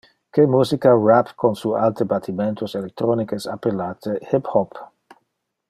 Que musica rap con su alte battimentos electronic es appellate hip-hop.